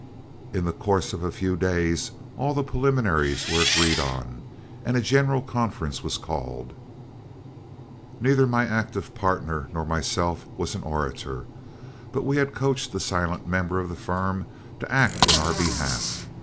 In the course of a few days all the preliminaries were agreed on, and a general conference was called. Neither my active partner nor myself was an orator, but we had coached the silent member of the firm to act in our behalf.